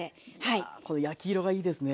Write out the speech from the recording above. いやこの焼き色がいいですね。